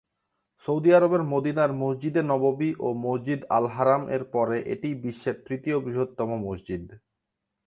Saudi আরবের মদিনার মসজিদে নববী ও মসজিদ আল-হারাম এর পরে এটিই বিশ্বের তৃতীয় বৃহত্তম মসজিদ।